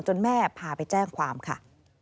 แม่พาไปแจ้งความค่ะ